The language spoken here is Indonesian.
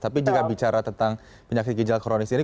tapi jika bicara tentang penyakit ginjal kronis ini